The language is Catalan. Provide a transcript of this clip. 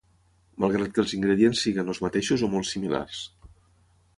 malgrat que els ingredients siguin els mateixos o molt similars